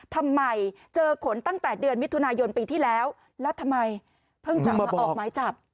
ทำไมเจอขนตั้งแต่เดือนมิถุนายนปีที่แล้วแล้วทำไมเพิ่งจะมาออกหมายจับ